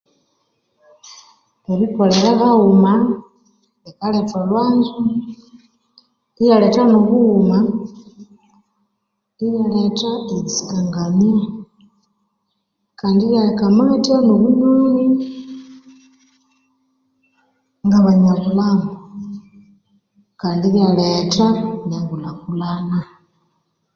Erikolera haghuma likaletha olhwanzo iryaletha no'bughuma iryaletha erisikangania kandi iryakamatya obunywani ngabanya bulhambu kandi iryaletha engulhakulhana